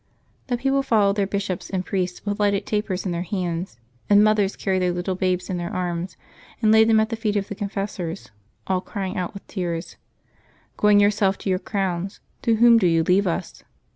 The people fol lowed their bishops and priests with lighted tapers in their hands, and mothers carried their little babes in their arms and laid them at the feet of the confessors, all crying out with tears, " Going yourselves to your crowns, to whom do you leave us?